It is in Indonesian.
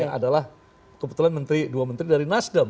yang adalah kebetulan dua menteri dari nasdem